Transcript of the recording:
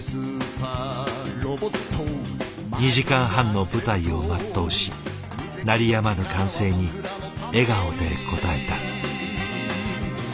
２時間半の舞台を全うし鳴りやまぬ歓声に笑顔で応えた。